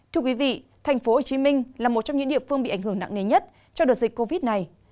thưa quý vị tp hcm là một trong những địa phương bị ảnh hưởng nặng nề nhất cho đợt dịch covid này